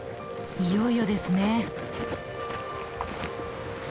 いよいよですね。